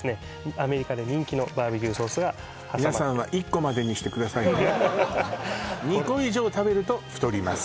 アメリカで人気のＢＢＱソースが挟まれて皆さんは１個までにしてくださいね２個以上食べると太ります